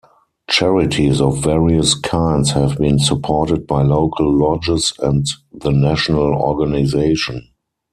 Charities of various kinds have been supported by local lodges and the national organization.